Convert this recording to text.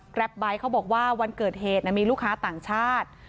ไบท์เขาบอกว่าวันเกิดเหตุมีลูกค้าต่างชาติ